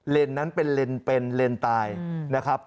นั้นเป็นเลนเป็นเลนตายนะครับ